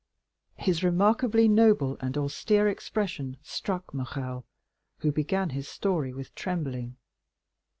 His remarkably noble and austere expression struck Morrel, who began his story with trembling.